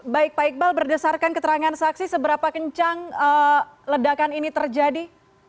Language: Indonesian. baik pak iqbal berdasarkan keterangan saksi seberapa kencang ledakan ini terjadi